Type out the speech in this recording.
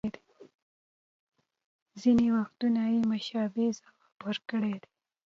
ځینې وختونه یې مشابه ځواب ورکړی دی